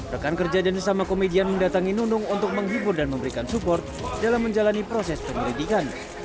rekan kerja dan sesama komedian mendatangi nunung untuk menghibur dan memberikan support dalam menjalani proses penyelidikan